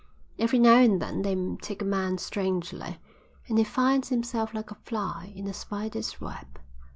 Every now and then they take a man strangely, and he finds himself like a fly in a spider's web.